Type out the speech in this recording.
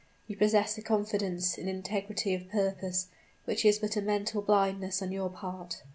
You possess a confidence in integrity of purpose, which is but a mental blindness on your part."